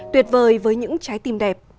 tuyệt vời với những trái tim đẹp